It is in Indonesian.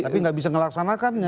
tapi gak bisa ngelaksanakannya